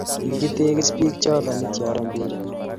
Kikitekis pik chaton itjare impiret